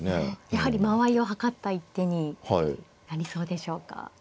やはり間合いをはかった一手になりそうでしょうか。